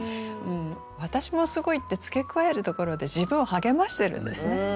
「わたしもすごい」って付け加えるところで自分を励ましてるんですね。